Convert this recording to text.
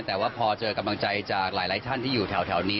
แต่ว่าพอเจอกำลังใจจากหลายท่านที่อยู่แถวนี้